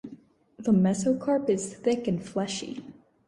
The mesocarp is thick and fleshy.